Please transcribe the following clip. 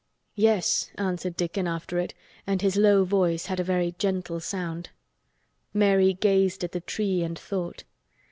"Yes," answered Dickon, after it, and his low voice had a very gentle sound. Mary gazed at the tree and thought.